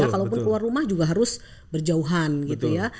kalaupun keluar rumah juga harus berjauhan gitu ya